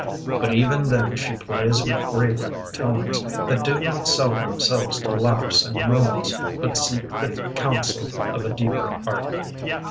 But even then she plays with graver tones That do not sell themselves to laughs and moans But seek the counsel of a deeper art.